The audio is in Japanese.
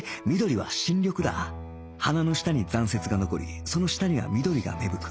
花の下に残雪が残りその下には緑が芽吹く